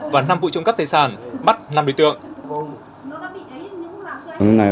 và năm vụ trộm cắp tài sản bắt năm đối tượng